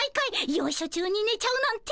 よいしょ中に寝ちゃうなんて。